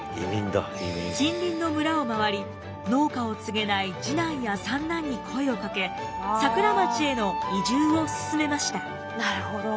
近隣の村を回り農家を継げない次男や三男に声をかけ桜町への移住を勧めました。